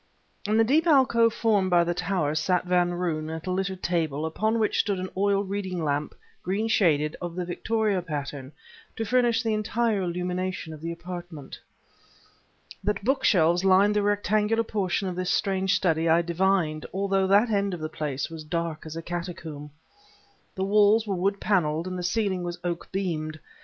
In the deep alcove formed by the tower sat Van Roon at a littered table, upon which stood an oil reading lamp, green shaded, of the "Victoria" pattern, to furnish the entire illumination of the apartment. That bookshelves lined the rectangular portion of this strange study I divined, although that end of the place was dark as a catacomb. The walls were wood paneled, and the ceiling was oaken beamed.